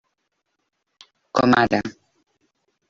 Com ara.